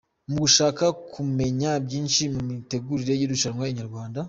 Mu gushaka kumenya byinshi mu mitegurire y’irushanwa, Inyarwanda.